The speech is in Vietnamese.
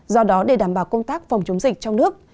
do đó để đảm bảo công tác phòng chống dịch trong nước